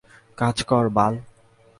কাজ কর, বাল!